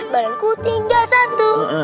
balangku tinggal satu